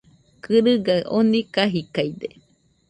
Kɨrɨgaɨ oni kajidaide